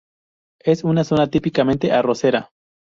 Es una zona típicamente arrocera.